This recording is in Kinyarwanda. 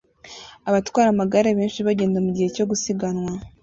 Abatwara amagare benshi bagenda mugihe cyo gusiganwa